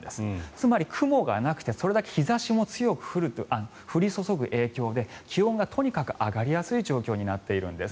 つまり、雲がなくてそれだけ日差しも強く降り注ぐ影響で気温がとにかく上がりやすい状況になっているんです。